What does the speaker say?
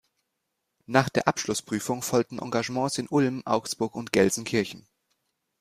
Nach der Abschlussprüfung folgten Engagements in Ulm, Augsburg und Gelsenkirchen.